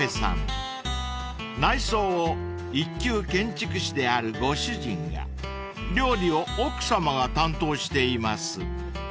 ［内装を一級建築士であるご主人が料理を奥さまが担当しています］